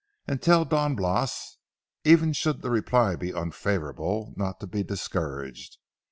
And tell Don Blas, even should the reply be unfavorable, not to be discouraged.